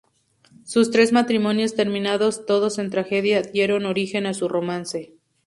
Sus tres matrimonios terminados todos en tragedia, dieron origen a un romance.